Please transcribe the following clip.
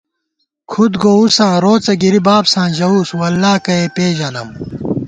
کھُد گووُساں روڅہ گِری بابساں ژَوُس “واللہ کَہ ئے پېژَنَم”